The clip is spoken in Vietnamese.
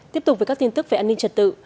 tiếp tục với các tin tức về an ninh trật tự